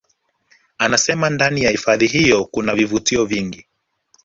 Anasema ndani ya hifadhi hiyo kuna vivutio vingi